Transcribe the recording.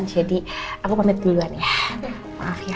aku pamit duluan ya maaf ya